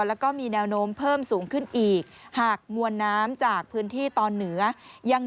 แล้วก็มีแนวโน้มเพิ่มสูงขึ้นอีกหากมวลน้ำจากพื้นที่ตอนเหนือยัง